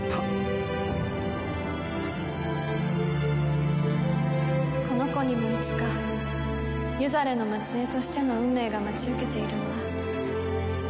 ユリカ：この子にもいつかユザレの末えいとしての運命が待ち受けているわ。